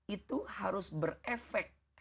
itu harus berefek